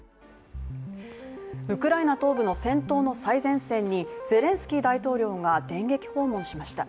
ウクライナ東部の戦闘の最前線にゼレンスキー大統領が電撃訪問しました。